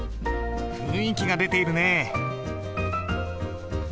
雰囲気が出ているね。